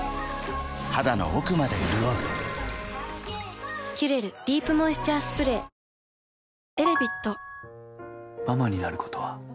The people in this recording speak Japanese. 肌の奥まで潤う「キュレルディープモイスチャースプレー」ゆるみ対策の難しさ